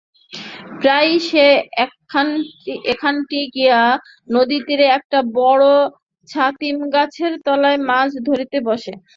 প্রায়ই সে এইখানটি গিয়া নদীতীরে একটা বড় ছাতিম গাছের তলায় মাছ ধরিতে বসে।